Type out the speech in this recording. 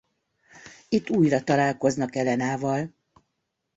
Itt újra találkoznak Elenával.